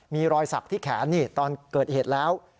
มีรอยสักที่แขนนี่ตอนเกิดเหตุแล้ว